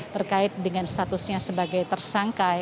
terkait dengan statusnya sebagai tersangka